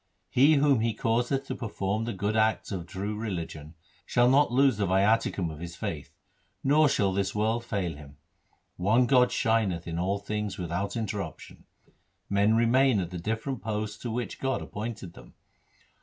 He whom He causeth to perform the good acts of true religion, Shall not lose the viaticum of his faith, nor shall this world fail him. One God shineth in all things without interruption. Men remain at the different posts to which God appointed them.